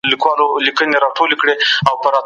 تاسو باید د کار کیفیت ته ډېره پاملرنه وکړئ.